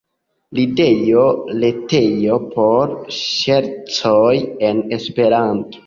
Ridejo, retejo por ŝercoj en Esperanto.